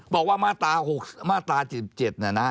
บอกว่ามาตรา๗๗เนี่ยนะ